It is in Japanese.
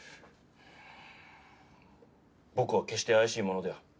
僕は決して怪しい者では。